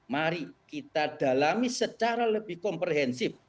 mari kita dalami secara lebih komprehensif